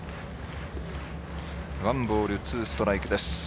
ワンボールツーストライクです。